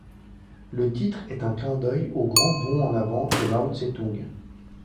Le titre est un clin d'œil au Grand Bond en avant de Mao Tse-Toung.